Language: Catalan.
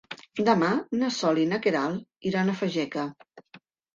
Demà na Sol i na Queralt iran a Fageca.